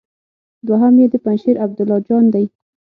دوهم يې د پنجشېر عبدالله جان دی.